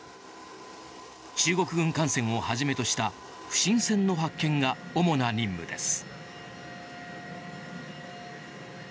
中国軍艦船をはじめとした不審船の発見が主な任務です。